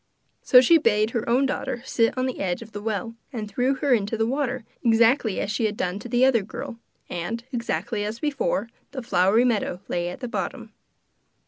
So she bade her own daughter sit on the edge of the well, and threw her into the water, exactly as she had done to the other girl; and, exactly as before, the flowery meadow lay at the bottom.